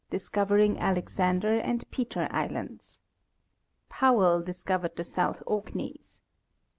discovering Alexander and Peter islands. Powell discovered the South Ork neys.